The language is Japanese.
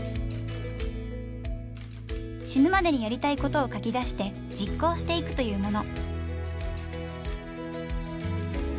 死ぬまでにやりたいことを書き出して実行していくというもの。